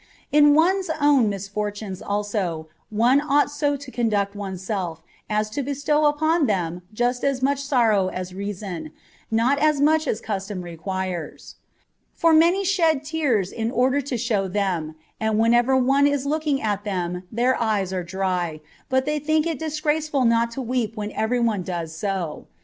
In one's own misfortunes, also, one ought so to conduct one self as to bestow upon them just as much sorrow as reason, not as much as custom requires : for many shed tears in order to show them, and whenever no one is looking at them their eyes are dry, but they think it disgraceful not to weep when every one does so.